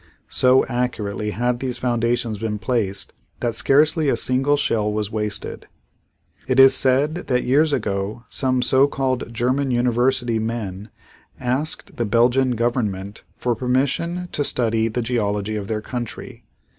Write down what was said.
So accurately had these foundations been placed that scarcely a single shell was wasted. It is said that years ago some so called German university men asked the Belgian Government for permission to study the geology of their country.